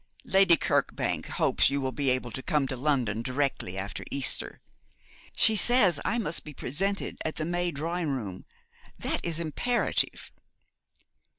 Lady Kirkbank hopes you will be able to go to London directly after Easter. She says I must be presented at the May drawing room that is imperative.